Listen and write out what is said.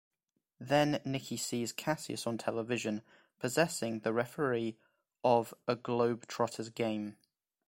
Then Nicky sees Cassius on television, possessing the referee of a Globetrotters game.